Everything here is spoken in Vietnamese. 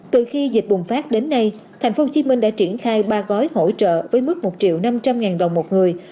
từ khi dịch bùng phát đến nay thành phố hồ chí minh đã triển khai ba gói hỗ trợ với mức một triệu năm trăm linh ngàn đồng một người